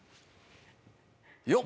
よっ！